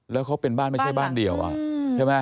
แล้วเขาเป็นบ้านไม่ใช่บ้านเดียวใช่ไหม